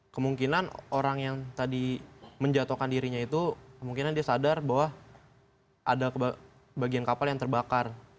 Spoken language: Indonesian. kemungkinan orang yang tadi menjatuhkan dirinya itu kemungkinan dia sadar bahwa ada bagian kapal yang terbakar